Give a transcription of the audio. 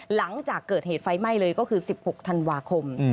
หลังจากเกิดเหตุไฟไหม้เลยก็คือ๑๖ธันวาคม